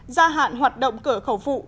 gia hạn hoạt động cửa khẩu phụ